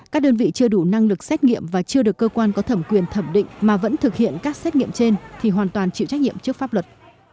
các đơn vị chưa đủ năng lực xét nghiệm và chưa được cơ quan có thẩm quyền thẩm định mà vẫn thực hiện các xét nghiệm trên thì hoàn toàn chịu trách nhiệm trước pháp luật